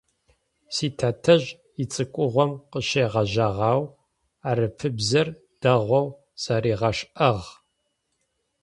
Ситэтэжъ ицӏыкӏугъом къыщегъэжьагъэу арапыбзэр дэгъоу зэригъэшӏагъ.